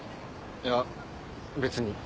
いや別に。